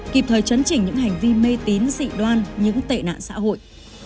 kịp thời chấn chỉnh những hành vi mê tín dị đoan những tệ nạn xã hội